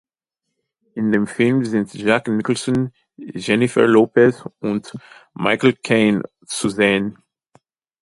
In dem Film sind Jack Nicholson, Jennifer Lopez und Michael Caine zu sehen.